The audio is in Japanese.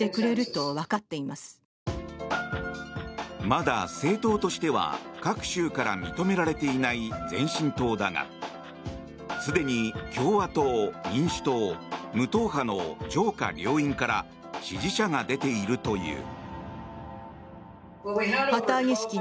まだ政党としては、各州から認められていない前進党だがすでに共和党、民主党、無党派の上下両院から支持者が出ているという。